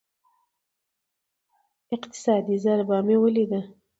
اقتصادي ضربه مې وليده.